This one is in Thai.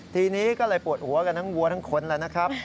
ทีนี้ก็เลยปวดหัวกันทั้งวัวทั้งคนแล้วนะครับ